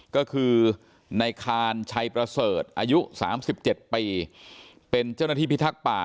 ก็คือในคานชัยประเสริฐอายุ๓๗ปีเป็นเจ้าหน้าที่พิทักษ์ป่า